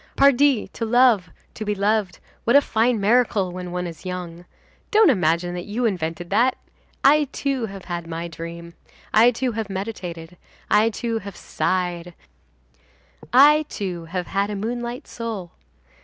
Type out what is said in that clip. Pardi, to love, to be loved, what a fine miracle when one is young! Don't imagine that you have invented that. I, too, have had my dream, I, too, have meditated, I, too, have sighed; I, too, have had a moonlight soul.